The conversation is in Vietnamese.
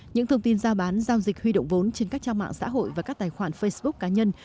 những thông tin giao bán giao dịch huy động vốn trên các trang mạng xã hội và các tài khoản facebook cá nhân